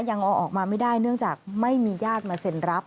ยังเอาออกมาไม่ได้เนื่องจากไม่มีญาติมาเซ็นรับ